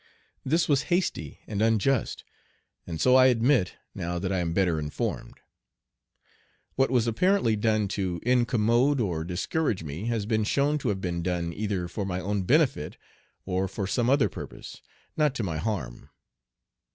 This was hasty and unjust, and so I admit, now that I am better informed. What was apparently done to incommode or discourage me has been shown to have been done either for my own benefit or for some other purpose, not to my harm.